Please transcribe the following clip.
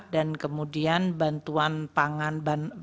dan kemudian bantuan pangan